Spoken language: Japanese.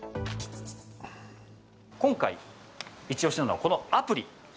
今回、イチおしなのはこのアプリ。